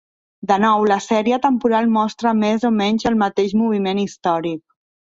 De nou, la sèrie temporal mostra més o menys el mateix moviment històric.